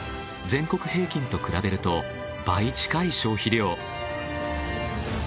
全国平均と比べると倍近い消費量。